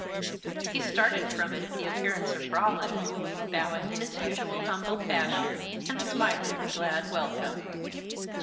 He started from it at the appearance of Roland, bowing in his usual humble fashion, and smiling a glad welcome.